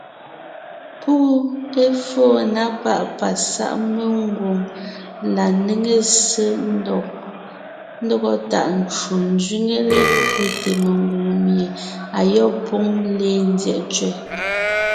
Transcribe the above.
Púʼu éfóo na páʼ pasáʼ mengwòŋ la néŋe ssé ńdɔgɔ tàʼ ncwò ńzẅíŋe lékẅéte mengwòŋ mie ayɔ́b póŋ léen ńzyɛ́ʼ ntsẅɛ́.